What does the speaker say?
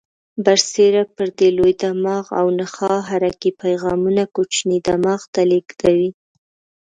برسیره پر دې لوی دماغ او نخاع حرکي پیغامونه کوچني دماغ ته لېږدوي.